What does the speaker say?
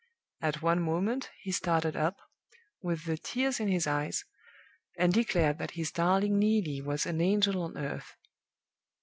At one moment he started up, with the tears in his eyes, and declared that his 'darling Neelie' was an angel on earth.